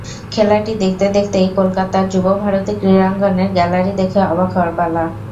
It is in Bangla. খেলাটি দেখতে দেখতেই কলকাতার যুবভারতী ক্রীড়াঙ্গনের গ্যালারি দেখে অবাক হওয়ার পালা।